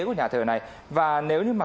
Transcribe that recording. của nhà thờ này và nếu như mà